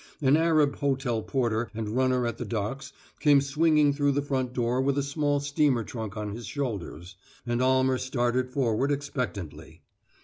An Arab hotel porter and runner at the docks came swinging through the front door with a small steamer trunk on his shoulders, and Almer started forward expectantly.